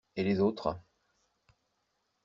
Et les autres?